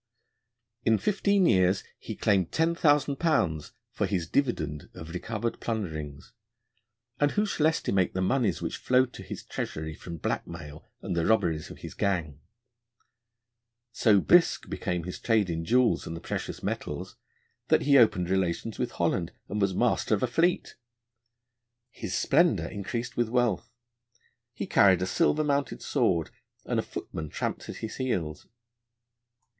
In fifteen years he claimed £10,000 for his dividend of recovered plunderings, and who shall estimate the moneys which flowed to his treasury from blackmail and the robberies of his gang? So brisk became his trade in jewels and the precious metals that he opened relations with Holland, and was master of a fleet. His splendour increased with wealth: he carried a silver mounted sword, and a footman tramped at his heels.